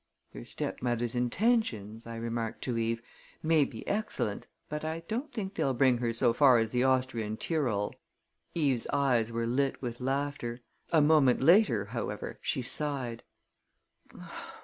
"Your stepmother's intentions," I remarked to Eve, "may be excellent, but I don't think they'll bring her so far as the Austrian Tyrol." Eve's eyes were lit with laughter. A moment later, however, she sighed.